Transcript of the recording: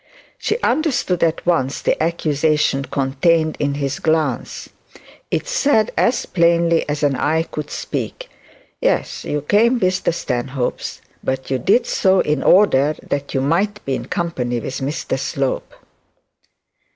She understood at once the accusation contained in his glance. It said as plainly as an eye could speak, 'Yes, you came with the Stanhopes, but you did so in order that you might be in company with Mr Slope.'